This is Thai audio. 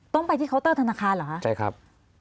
ต้องไปที่เคาน์เตอร์ธนาคารเหรอคะใช่ครับ